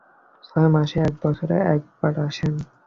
ছয় মাসে এক বছরে একবার আসেন।